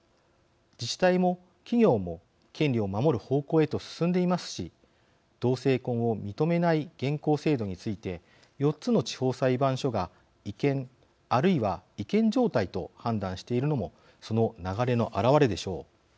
自治体も企業も権利を守る方向へと進んでいますし同性婚を認めない現行制度について４つの地方裁判所が違憲あるいは違憲状態と判断しているのもその流れの表れでしょう。